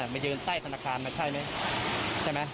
มายืนใต้ธนาคารมาใช่ไหมใช่ไหม